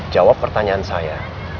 jawab pertanyaan saya